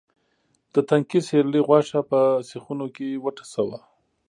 د تنکي سېرلي غوښه په سیخونو کې وټسوه.